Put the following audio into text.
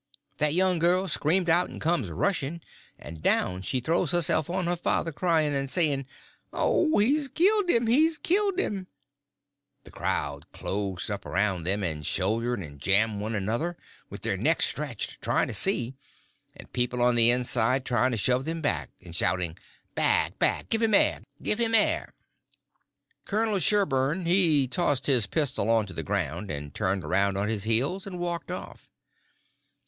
That young girl screamed out and comes rushing, and down she throws herself on her father, crying, and saying, "Oh, he's killed him, he's killed him!" The crowd closed up around them, and shouldered and jammed one another, with their necks stretched, trying to see, and people on the inside trying to shove them back and shouting, "Back, back! give him air, give him air!" Colonel Sherburn he tossed his pistol on to the ground, and turned around on his heels and walked off.